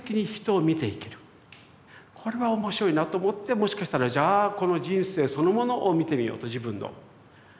これは面白いなぁと思ってもしかしたらじゃあこの人生そのものを見てみようと自分のを。